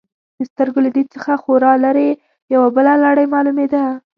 د سترګو له دید څخه خورا لرې، یوه بله لړۍ معلومېده.